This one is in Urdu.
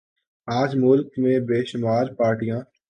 آج ملک میں بے شمار پارٹیاں